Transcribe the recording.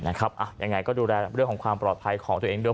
ยังไงก็ดูแลเรื่องของความปลอดภัยของตัวเองด้วย